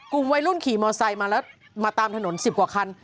กลุ่มวัยรุ่นขี่มอไซค์มาแล้วมาตามถนน๑๐กว่าคัน